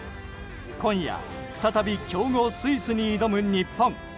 今夜、再び強豪スイスに挑む日本。